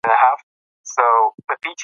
وخت په دغه تیاره کوټه کې په بشپړ ډول کنګل دی.